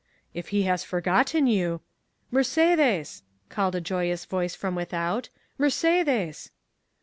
"If he has forgotten you——" "Mercédès!" called a joyous voice from without,—"Mercédès!"